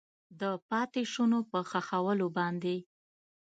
د پاتې شونو په ښخولو باندې